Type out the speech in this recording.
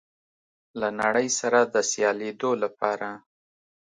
له نړۍ سره د سیالېدو لپاره